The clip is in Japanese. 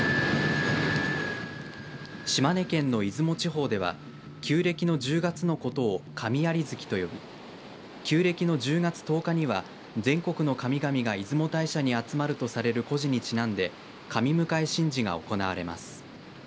島根県の出雲地方では旧暦の１０月のことを神在月と呼び旧暦の１０月１０日には全国の神々が出雲大社に集まるとされる故事にちなんで神迎神事が行われます。